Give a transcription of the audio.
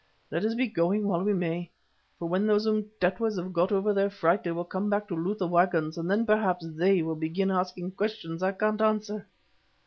Let us be going while we may, for when those Umtetwas have got over their fright, they will come back to loot the waggons, and then perhaps they will begin asking questions that I can't answer."